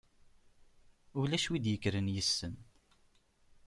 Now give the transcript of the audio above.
Ulac wi d-ikkren issen.